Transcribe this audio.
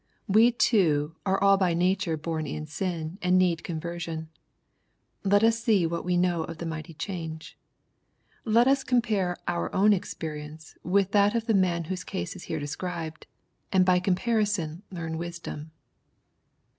We too are all by nature bom in sin, and need conversion. Let us see what we know of the mighty change. Let us compare our own experience with that of the man whose case is here described^ and by comparison learn wisdom.